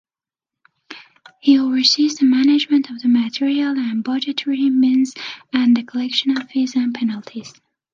He oversees the management of the material and budgetary means and the collection of fees and penalties.